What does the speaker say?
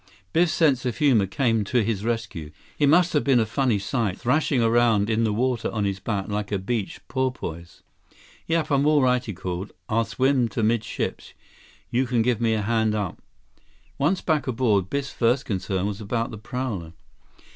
Biff's sense of humor came to his rescue. He must have been a funny sight, thrashing around in the water on his back like a beached porpoise. 91 "Yep. I'm all right," he called. "I'll swim to midships. You can give me a hand up." Once back aboard, Biff's first concern was about the prowler.